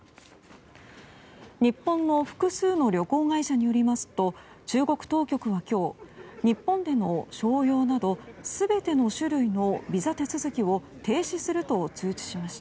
日本の複数の旅行会社によりますと中国当局は今日日本での商用など全ての種類のビザ手続きを停止すると通知しました。